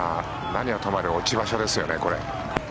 何はともあれ落ち場所ですよね、これ。